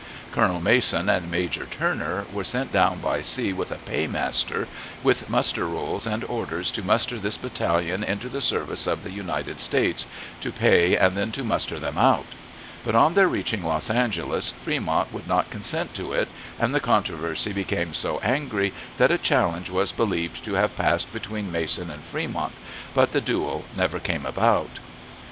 Colonel Mason and Major Turner were sent down by sea with a paymaster, with muster rolls and orders to muster this battalion into the service of the United States, to pay and then to muster them out; but on their reaching Los Angeles Fremont would not consent to it, and the controversy became so angry that a challenge was believed to have passed between Mason and Fremont, but the duel never came about.